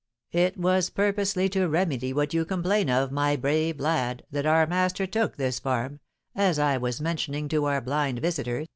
"It was purposely to remedy what you complain of, my brave lad, that our master took this farm (as I was mentioning to our blind visitor).